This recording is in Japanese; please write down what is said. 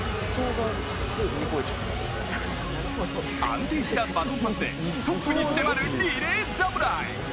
安定したバトンパスでトップに迫るリレー侍。